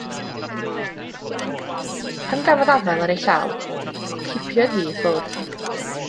Pan gafodd afael ar ei llaw, cipiodd hi i ffwrdd.